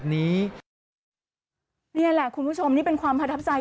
นี่แหละคุณผู้ชมนี่เป็นความประทับใจ